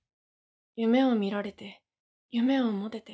夢を見られて、夢を持てて。